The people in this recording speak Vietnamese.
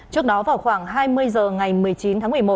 trước đó vào khoảng hai mươi h ngày một mươi chín h